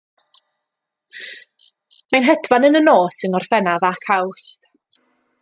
Mae'n hedfan yn y nos yng Ngorffennaf ac Awst.